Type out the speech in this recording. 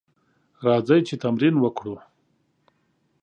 راځئ چې تمرين وکړو.